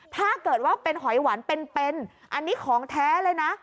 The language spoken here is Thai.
ถ้าเกิดว่าเป็นหอยหวานเป็นอันนี้ของแท้เลยนะ